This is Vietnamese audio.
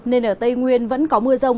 nên ở tây nguyên vẫn có mưa rông